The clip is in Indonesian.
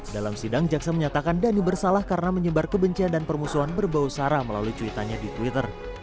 dalam sidang jaksa menyatakan dhani bersalah karena menyebar kebencian dan permusuhan berbau sara melalui cuitannya di twitter